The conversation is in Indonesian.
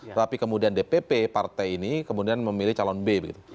tetapi kemudian dpp partai ini kemudian memilih calon b